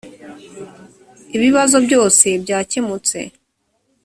ibibazo byose byakemutse.